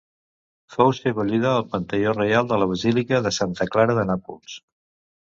Fou sebollida al panteó reial de la Basílica de Santa Clara de Nàpols.